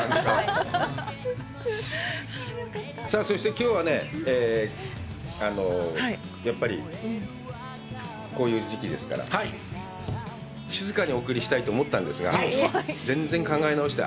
そして、きょうはね、やっぱり、こういう時期ですから、静かにお送りしたいと思ったんですが、全然考え直した。